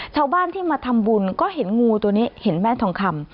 ชาวบ้านที่มาทำบุญก็เห็นงูตัวนี้เห็นแม่ทองคำ